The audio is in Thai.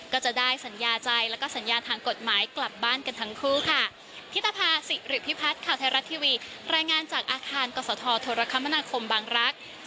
ก็จะได้สัญญาใจแล้วก็สัญญาทางกฎหมายกลับบ้านกันทั้งคู่ค่ะ